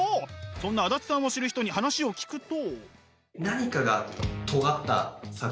そんな足立さんを知る人に話を聞くと。